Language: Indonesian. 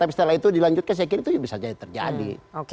tapi setelah itu dilanjutkan saya kira itu bisa jadi terjadi